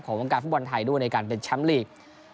วงการฟุตบอลไทยด้วยในการเป็นแชมป์ลีก